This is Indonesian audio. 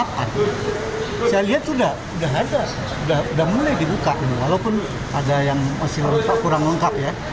saya lihat sudah ada sudah mulai dibuka walaupun ada yang masih kurang lengkap ya